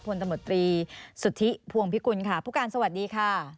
ผลตำรวจตรีสุธิภวงพิกุลค่ะผู้การสวัสดีค่ะ